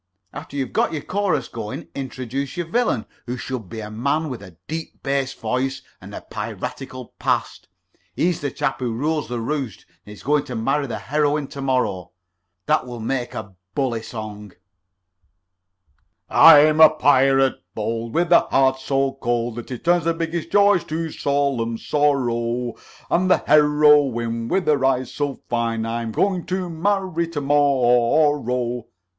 After you've got your chorus going, introduce your villain, who should be a man with a deep bass voice and a piratical past. He's the chap who rules the roost and is going to marry the heroine to morrow. That will make a bully song: "I'm a pirate bold With a heart so cold That it turns the biggest joys to solemn sorrow; And the hero ine, With her eyes so fine, I am going to marry to morrow.